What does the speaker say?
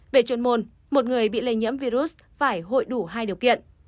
về chuyên môn một người bị lây nhiễm virus phải hội đủ hai điều kiện